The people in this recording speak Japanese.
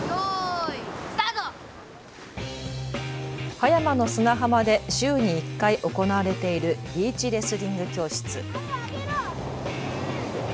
葉山の砂浜で週に１回行われているビーチレスリング教室。